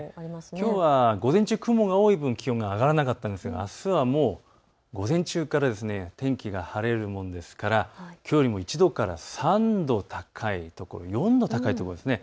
きょうは午前中、雲が多い分、気温が上がらなかったんですがあすはもう午前中から天気が晴れるもんですからきょうよりも１度から３度高いところ、４度高いところもありますね。